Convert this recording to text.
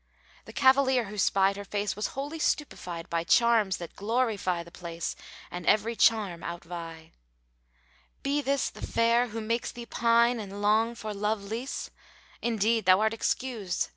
The cavalier who spied her face was wholly stupefied * By charms that glorify the place and every charm outvie. 'Be this the Fair who makes thee pine and long for love liesse? * Indeed thou art excused!'